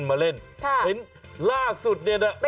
เห็นรากสุดนี่นะ